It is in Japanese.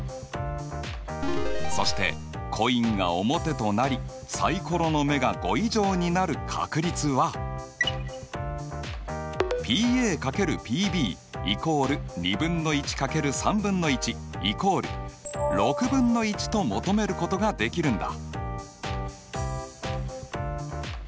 そしてコインが表となりサイコロの目が５以上になる確率はと求めることができるんだ。